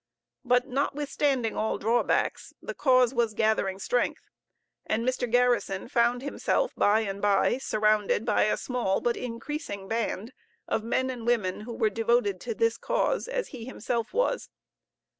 But, notwithstanding all drawbacks, the cause was gathering strength, and Mr. Garrison found himself by and by surrounded by a small but increasing band of men and women who were devoted to this cause, as he himself was.